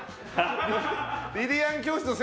リリアン教室の先生。